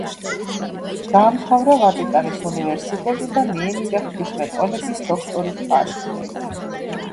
დაამთავრა ვატიკანის უნივერსიტეტი და მიენიჭა ღვთისმეტყველების დოქტორის ხარისხი.